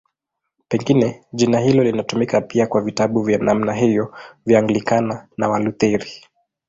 Pengine jina hilo linatumika pia kwa vitabu vya namna hiyo vya Anglikana na Walutheri.